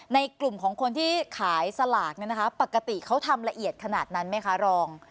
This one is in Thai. ในกลุ่มของคนที่ขายสลากเนี่ยนะคะปกติเขาทำละเอียดขนาดนั้นไหมคะรอง